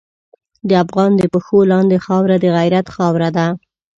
د افغان د پښو لاندې خاوره د غیرت خاوره ده.